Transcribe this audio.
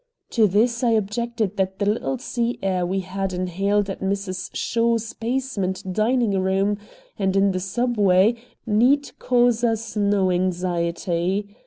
To this I objected that the little sea air we had inhaled at Mrs. Shaw's basement dining room and in the subway need cause us no anxiety.